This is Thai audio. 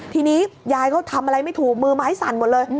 ทีนี้ยายเขาทำอะไรไม่ถูกมือไม้สั่นหมดเลย